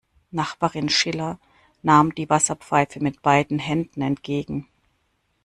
Nachbarin Schiller nahm die Wasserpfeife mit beiden Händen entgegen.